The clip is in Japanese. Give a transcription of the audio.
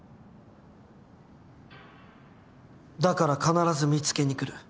だから必ず見つけに来る。